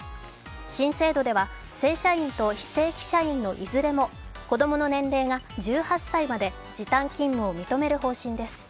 新制度では正社員と非正規社員のいずれも子供の年齢が１８歳まで時短勤務を認める方針です。